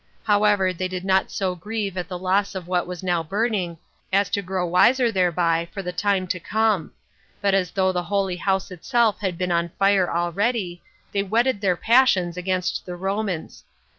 However, they did not so grieve at the loss of what was now burning, as to grow wiser thereby for the time to come; but as though the holy house itself had been on fire already, they whetted their passions against the Romans.